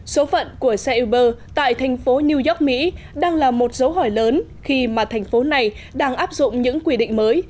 số phận của xe uber tại thành phố new york mỹ đang là một dấu hỏi lớn khi mà thành phố này đang áp dụng những quy định mới